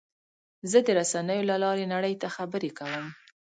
زه د رسنیو له لارې نړۍ ته خبرې کوم.